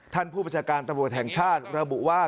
ผู้บัญชาการตำรวจแห่งชาติระบุว่า